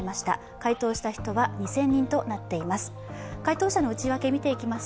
回答した人は２０００人となっています。